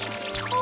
あ。